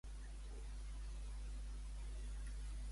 I a la gent de baixa estatura?